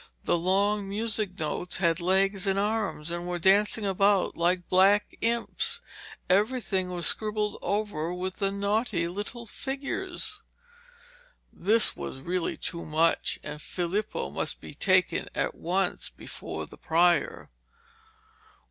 The long music notes had legs and arms and were dancing about like little black imps. Everything was scribbled over with the naughty little figures. This was really too much, and Filippo must be taken at once before the prior.